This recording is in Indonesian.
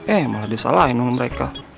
eh malah disalahin sama mereka